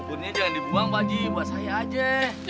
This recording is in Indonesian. buburnya jangan dibuang pak haji buat saya aja